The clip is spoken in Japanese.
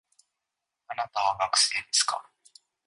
あなたは学生ですか